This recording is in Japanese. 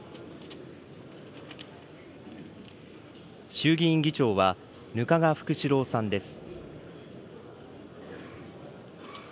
衆議院議長は、額賀福志郎さんです。